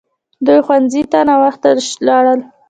دوی ښوونځي ته ناوخته لاړل!